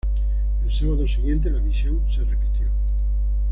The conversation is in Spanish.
El sábado siguiente la visión se repitió.